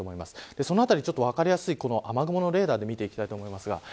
そのあたりが分かりやすい雨雲のレーダーで見ていきます。